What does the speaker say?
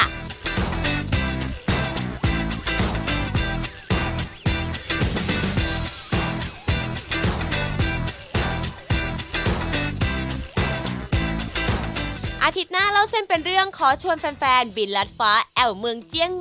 อาทิตย์หน้าเล่าเส้นเป็นเรื่องขอชวนแฟนบินรัดฟ้าแอวเมืองเจียง